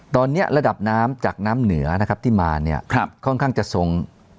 ตอนนี้ระดับน้ำจากน้ำเหนือนะครับที่มาเนี่ยค่อนข้างจะทรง